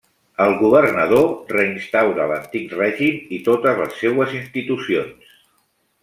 El governador reinstaura l'antic règim i totes les seues institucions.